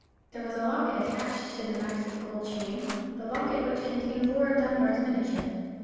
There was a locket attached to the massive gold chain, the locket which contained Laura Dunbar's miniature.